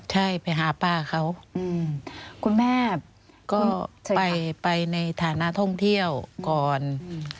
ใช่ไปหาป้าเขาคุณแม่ก็ไปในฐานะท่องเที่ยวก่อน